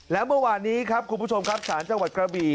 และเมื่อวานนี้ครับคุณผู้ชมครับสารจังหวัดกระบี่